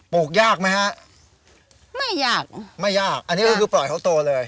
ลูกยากไหมฮะไม่ยากไม่ยากอันนี้ก็คือปล่อยเขาโตเลย